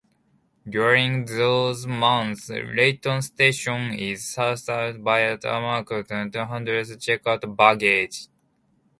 During those months, Raton station is staffed by Amtrak employees and handles checked baggage.